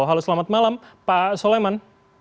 halo selamat malam pak soleman